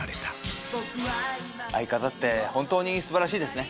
相方って本当に素晴らしいですね。